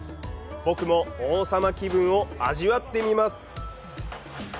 僕も王様気分を味わってみます！